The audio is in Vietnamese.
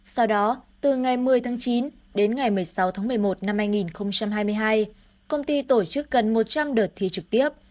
sau đó từ ngày một mươi tháng chín đến ngày một mươi sáu tháng một mươi một năm hai nghìn hai mươi hai công ty tổ chức gần một trăm linh đợt thi trực tiếp